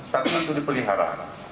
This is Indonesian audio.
tapi yang untuk dipelihara